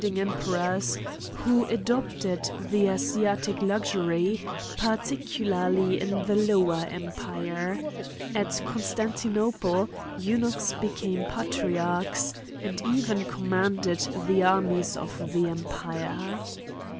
• ing Emperors, who adopted the Asiatic luxury, particularly in the lower empire ; at Constantino ple eunuchs became Patriarchs, and even com manded the armies of the empire.